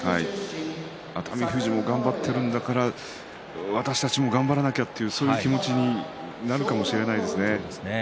熱海富士も頑張っているんだから私たちも頑張らなくてはというそういう気持ちになるかもしれないですね。